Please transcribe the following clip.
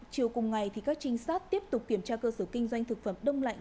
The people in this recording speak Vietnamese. chiều cùng ngày các trinh sát tiếp tục kiểm tra cơ sở kinh doanh thực phẩm đông lạnh